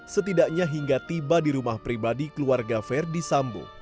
setidaknya hingga tiba di rumah pribadi keluarga verdi sambo